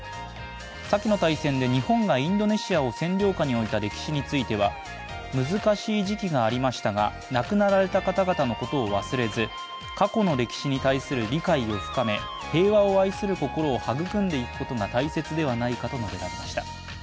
先の大戦で日本がインドネシアを占領下に置いた歴史については難しい時期がありましたが、亡くなられた方々のことを忘れず、過去の歴史に対する理解を深め平和を愛する心を育んでいくことが大切ではないかと述べられました。